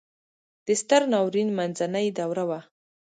د ستر ناورین منځنۍ دوره وه.